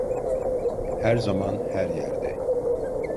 Her zaman, her yerde.